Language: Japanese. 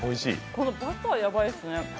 このバターやばいですね。